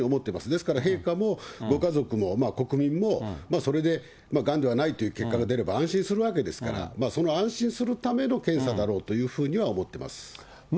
ですから、陛下もご家族も国民も、それでがんではないという結果が出れば安心するわけですから、その安心するための検査だろうというふうには思っています。